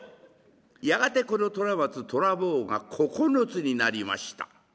やがてこの虎松虎坊が９つになりました。